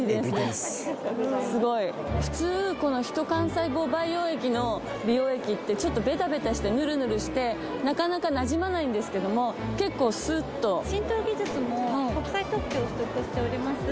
すごい普通このヒト幹細胞培養液の美容液ってちょっとベタベタしてぬるぬるしてなかなかなじまないんですけども結構スッと浸透技術も国際特許を取得しております